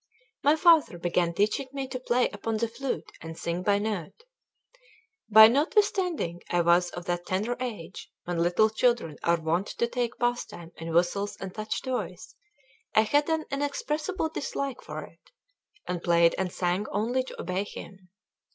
V MY father began teaching me to play upon the flute and sing by note; by notwithstanding I was of that tender age when little children are wont to take pastime in whistles and such toys, I had an inexpressible dislike for it, and played and sang only to obey him.